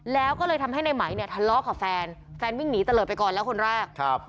แล้วก็เลยทำให้ในไหมทะเลาะกับแฟนแฟนวิ่งหนีเตลอดไปก่อนแล้วคนแรก